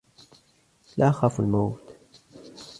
لا اخاف الموت.